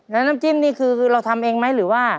แล้วน้ำจิ้มนี่คือเราทำเองไหมหรือว่า